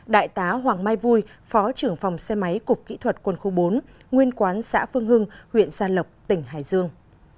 hai đại tá hoàng mai vui phó trưởng phòng xe máy cục kỹ thuật quân khu bốn nguyên quán xã phương hưng huyện gia lộc tỉnh hải dương